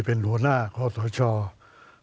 เป็นหัวหน้าของสวชาติ